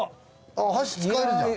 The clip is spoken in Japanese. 箸使えるじゃん。